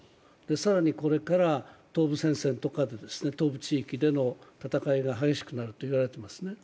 更にこれから東部戦線とか東部地域での戦いが激しくなると言われていますね。